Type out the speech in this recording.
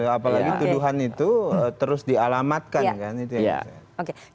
apalagi tuduhan itu terus dialamatkan